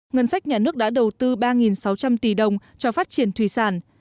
ngân sách nhà nước đã đầu tư ba sáu trăm linh tỷ đồng cho phát triển thủy sản